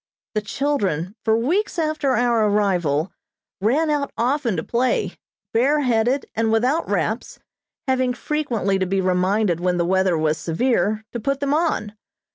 The children, for weeks after our arrival, ran out often to play, bareheaded and without wraps, having frequently to be reminded when the weather was severe, to put them on.